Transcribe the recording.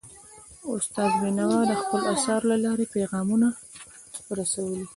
استاد بینوا د خپلو اثارو له لارې پیغامونه رسولي دي.